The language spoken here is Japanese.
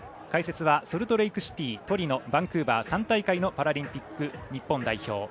解説はソルトレークシティートリノ、バンクーバー３大会のパラリンピック日本代表。